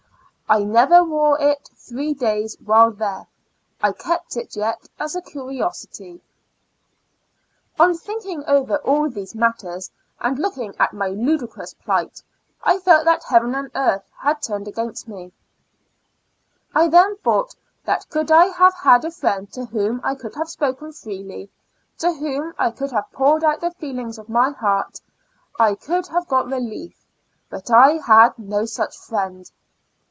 I never wore it three days while there, I keep it yet as a curiosity. IN A Lunatic Asylum, W^ On thinking over all these matters, and looking at my ludicrous plight, I felt that Heaven and earth had turned against me. I then thought that could I have had a friend to whom I could have spoken freely, to whom I could have poured out the feelings of my heart, I could have got relief, but I had no such friend.